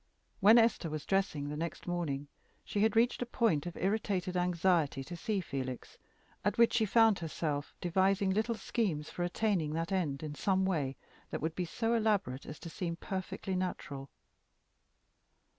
When Esther was dressing the next morning, she had reached a point of irritated anxiety to see Felix, at which she found herself devising little schemes for attaining that end in some way that would be so elaborate as to seem perfectly natural.